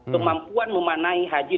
kemampuan memanahi haji